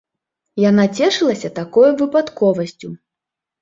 Яна цешылася такою выпадковасцю.